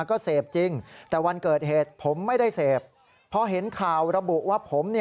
ก็ได้เสพพอเห็นข่าวระบุว่าผม